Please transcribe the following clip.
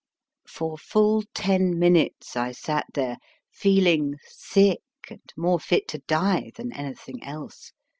For full ten minutes I sat there, feeling sick and more fit to die than anything else.